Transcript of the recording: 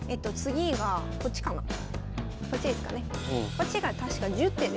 こっちが確か１０手で。